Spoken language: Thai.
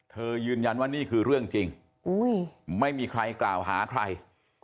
ยืนยันว่านี่คือเรื่องจริงไม่มีใครกล่าวหาใคร